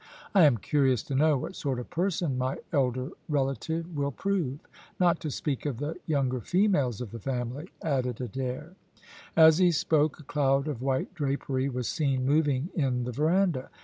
"I am curious to know what sort of person my elder relative will prove, not to speak of the younger females of the family," added Adair. As he spoke a cloud of white drapery was seen moving in the verandah.